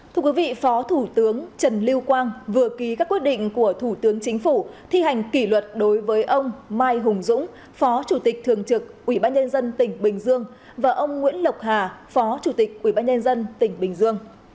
thưa quý vị phó thủ tướng trần lưu quang vừa ký các quyết định của thủ tướng chính phủ thi hành kỷ luật đối với ông mai hùng dũng phó chủ tịch thường trực ủy ban nhân dân tỉnh bình dương và ông nguyễn lộc hà phó chủ tịch ubnd tỉnh bình dương